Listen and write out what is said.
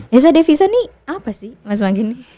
desa devisa ini apa sih mas makin